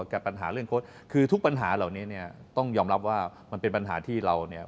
แก้ปัญหาเรื่องโค้ดคือทุกปัญหาเหล่านี้เนี่ยต้องยอมรับว่ามันเป็นปัญหาที่เราเนี่ย